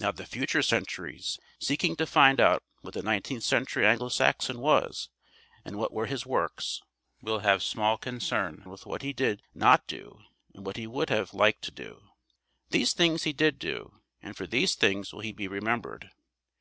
Now the future centuries, seeking to find out what the nineteenth century Anglo Saxon was and what were his works, will have small concern with what he did not do and what he would have liked to do. These things he did do, and for these things will he be remembered.